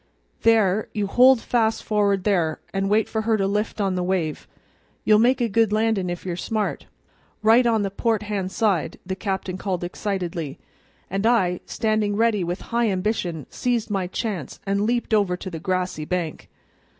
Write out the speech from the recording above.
"There, you hold fast for'ard there, an' wait for her to lift on the wave. You'll make a good landin' if you're smart; right on the port hand side!" the captain called excitedly; and I, standing ready with high ambition, seized my chance and leaped over to the grassy bank.